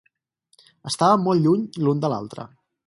Estàvem molt lluny l'un de l'altre.